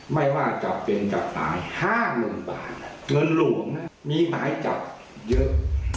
ไม่ว่าจะเป็นจับตาย๕๐๐๐บาทเงินหลวงมีหมายจับเยอะ